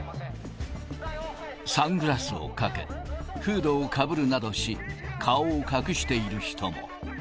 サングラスをかけ、フードをかぶるなどし、顔を隠している人も。